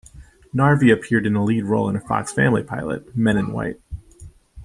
Narvy appeared in a lead role in a Fox Family pilot, "Men in White".